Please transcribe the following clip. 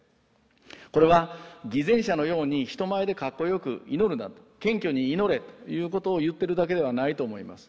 これは偽善者のように人前でかっこよく祈るな謙虚に祈れということを言ってるだけではないと思います。